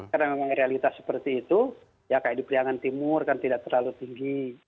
karena memang realitas seperti itu ya kayak di periangan timur kan tidak terlalu tinggi